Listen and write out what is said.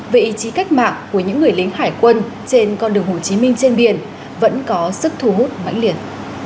về ý chí cách mạng của những người lính hải quân trên con đường hồ chí minh trên biển vẫn có sức thu hút mãnh liệt